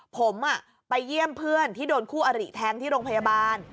ผมไปเยี่ยมเพื่อนที่โดนคู่อริแทงที่โรงพยาบาล